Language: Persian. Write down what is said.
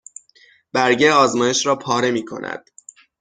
برگه آزمایش را پاره می کند